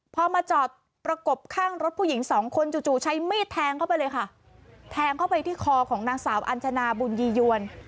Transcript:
พอมาจอดประกบข้างรถผู้หญิงสองคนจู่จู่ใช้มีดแทงเข้าไปเลยค่ะแทงเข้าไปที่คอของนางสาวอัญชนาบุญยียวน